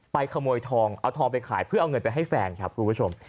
ขโมยทองเอาทองไปขายเพื่อเอาเงินไปให้แฟนครับคุณผู้ชม